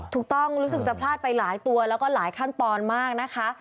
รู้สึกจะพลาดไปหลายตัวแล้วก็หลายขั้นตอนมากนะคะ